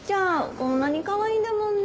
こんなにカワイイんだもんね。